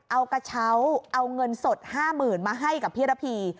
เอากระเช้าเอาเงินสด๕๐๐๐มาให้กับพี่ระพี